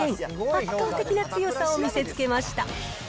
圧倒的な強さを見せつけました。